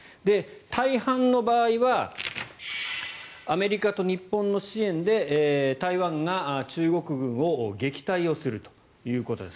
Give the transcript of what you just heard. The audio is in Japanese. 大半の場合はアメリカと日本の支援で台湾が中国軍を撃退するということです。